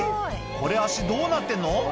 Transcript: これ足どうなってんの？